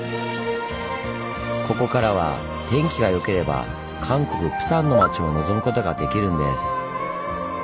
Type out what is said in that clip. ここからは天気が良ければ韓国・プサンの町を望むことができるんです。